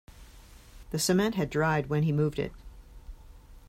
The cement had dried when he moved it.